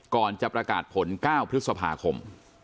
ก่อนจะประกาศผล๙พฤษภาคม